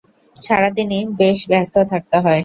সারাদিনই বেশ ব্যস্ত থাকতে হয়।